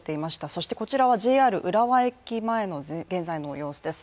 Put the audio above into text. そしてこちらはＪＲ浦和駅前の現在の様子です。